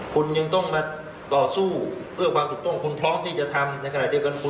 คุณยังต้องมาต่อสู้เพื่อความถูกต้อง